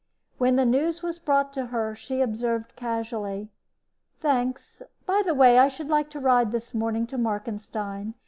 When the news was brought her she observed, casually: "Thanks. By the way, I should like to ride this morning to Markenstein.